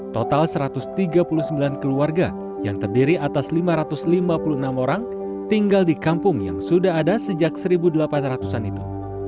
total satu ratus tiga puluh sembilan keluarga yang terdiri atas lima ratus lima puluh enam orang tinggal di kampung yang sudah ada sejak seribu delapan ratus an itu